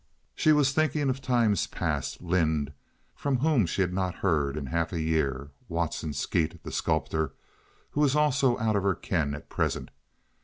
She was thinking of times past—Lynde, from whom she had not heard in half a year; Watson Skeet, the sculptor, who was also out of her ken at present.